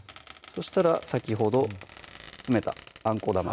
そしたら先ほど詰めたあんこ玉